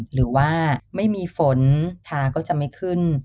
หรือว่าไม่มีฝนทาก็จะไม่ขึ้น